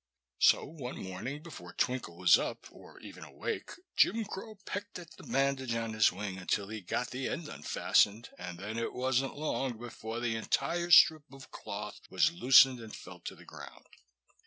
So one morning, before Twinkle was up, or even awake, Jim Crow pecked at the bandage on his wing until he got the end unfastened, and then it wasn't long before the entire strip of cloth was loosened and fell to the ground.